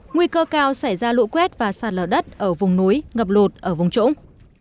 nguy cơ cao xảy ra lũ quét và sạt lở đất ở vùng núi ngập lột ở vùng trỗng